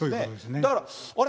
だから、あれ？